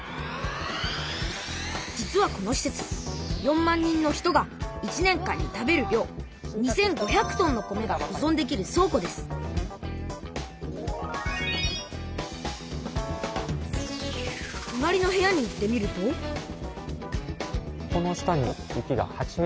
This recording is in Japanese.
実はこのしせつ４万人の人が１年間に食べる量２，５００トンの米がほぞんできる倉庫ですとなりの部屋に行ってみるとこの下にも雪が８ｍ。